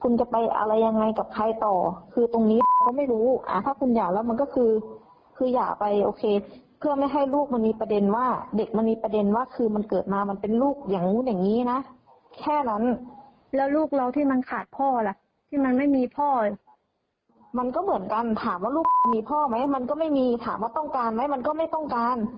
ไม่ต้องการถ้าพ่อมันเป็นแบบนี้ก็ไม่ต้องการเหมือนกัน